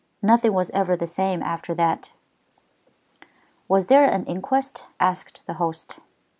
Nothing was ever the same after that." "Was there an inquest?" asked the host.